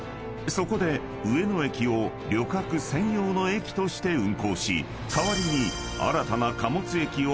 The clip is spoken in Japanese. ［そこで上野駅を旅客専用の駅として運行し代わりに］